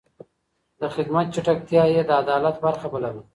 د خدمت چټکتيا يې د عدالت برخه بلله.